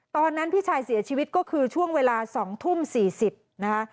ตอนนั้นพี่ชายเสียชีวิตก็คือช่วงเวลา๒ทุ่ม๔๐นะครับ